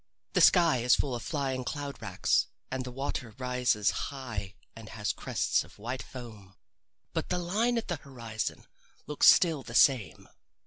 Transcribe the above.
The sky is full of flying cloud racks and the water rises high and has crests of white foam. But the line at the horizon looks still the same.